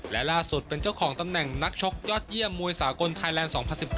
และล่าสุดเป็นเจ้าของตำแหน่งนักชกยอดเยี่ยมมวยสากลไทยแลนด์๒๐๑๙